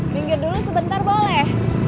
minggir dulu sebentar boleh